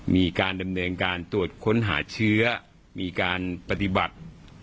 มีการดำเนินการตรวจค้นหาเชื้อมีการปฏิบัติ